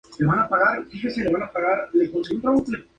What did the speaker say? Ella se une a los X-Men de Rogue.